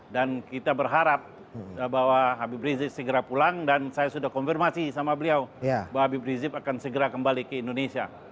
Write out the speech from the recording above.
dan kita berharap bahwa habib rizik segera pulang dan saya sudah konfirmasi sama beliau bahwa habib rizik akan segera kembali ke indonesia